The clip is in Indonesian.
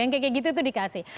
yang kayak gitu tuh dikasih